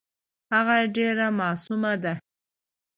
هغه ډېره معصومه ده .